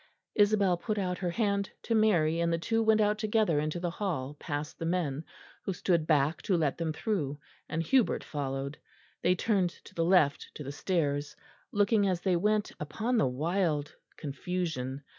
Isabel put out her hand to Mary, and the two went out together into the hall past the men, who stood back to let them through, and Hubert followed. They turned to the left to the stairs, looking as they went upon the wild confusion.